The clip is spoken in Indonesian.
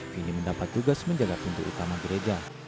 kini mendapat tugas menjaga pintu utama gereja